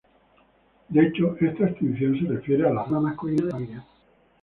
De hecho, esta extinción se refiere a la rama masculina de la familia.